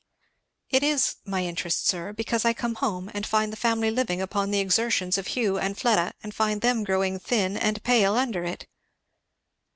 "It is my interest, sir, because I come home and find the family living upon the exertions of Hugh and Fleda and find them growing thin and pale under it."